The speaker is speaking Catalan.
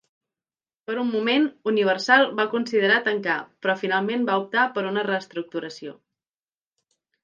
Per un moment, Universal va considerar tancar, però finalment va optar per una reestructuració.